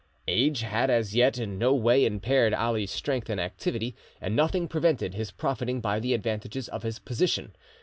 Age had as yet in no way impaired Ali's strength and activity, and nothing prevented his profiting by the advantages of his position.